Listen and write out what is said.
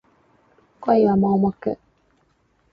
恋は盲目